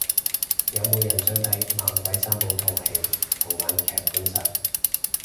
有冇人想睇猛鬼三寶套戲同玩劇本殺